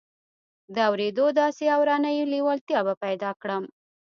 د اورېدو داسې اورنۍ لېوالتیا به پيدا کړم.